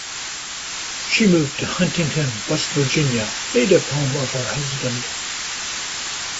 She moved to Huntington, West Virginia, native home of her husband.